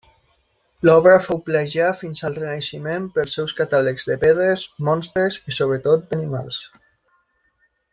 L'obra fou plagiada fins al Renaixement pels seus catàlegs de pedres, monstres i sobretot d'animals.